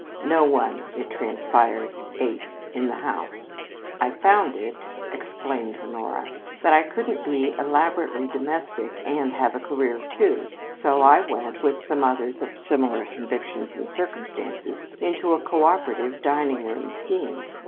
No one, it transpired, ate in the house. "I found out," explained Honora, "that I couldn't be elaborately domestic and have a career, too, so I went, with some others of similar convictions and circumstances, into a coöperative dining room scheme."